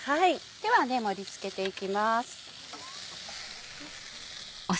では盛り付けていきます。